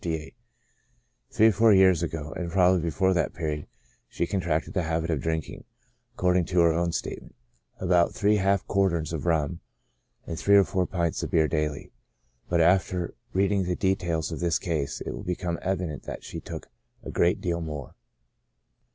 Three or four years ago (and probably before that period) she contracted the habit of drinking, according to her own statement, about three half quarterns of rum, and three or four pints of beer daily ; but after reading the details of this case, it will become evident that she took a great deal more.